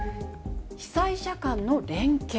被災者間の連携。